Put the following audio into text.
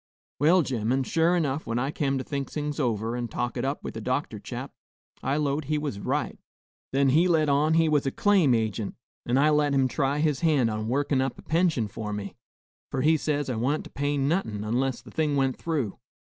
Well, gemmen, sure 'nough, when I kem to think things over, and talk it up with the doctor chap, I 'lowed he was right. Then he let on he was a claim agint, an' I let him try his hand on workin' up a pension for me, for he says I wa'n't to pay no'hun 'less the thing went through.